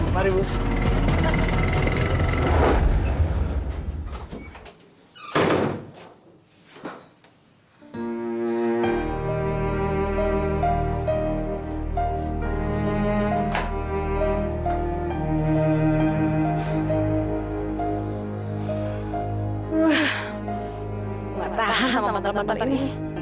gak tahu sama mantan mantan ini